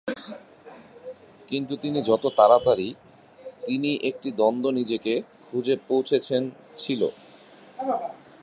কিন্তু তিনি যত তাড়াতাড়ি তিনি একটি দ্বন্দ্ব নিজেকে খুঁজে পৌঁছেছেন ছিল।